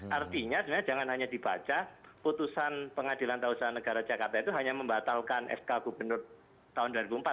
artinya sebenarnya jangan hanya dibaca putusan pengadilan tata usaha negara jakarta itu hanya membatalkan sk gubernur dki jakarta